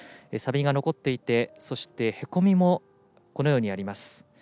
さびが残っていてそしてへこみもあります。